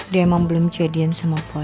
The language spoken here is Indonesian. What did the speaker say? dia emang belum jadian sama puan